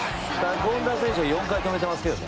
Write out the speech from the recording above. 権田選手は４回止めてますけど。